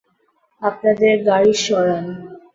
আপনাদের গাড়ি সরান।